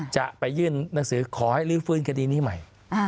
จะไปยื่นหนังสือขอให้ลื้อฟื้นคดีนี้ใหม่